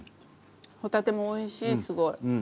ホタテもおいしいすごい。